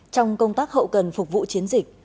trong công tác hậu cần phục vụ chiến dịch